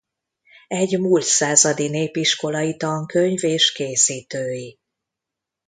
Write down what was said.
Egy mult századi népiskolai tankönyv és készítői.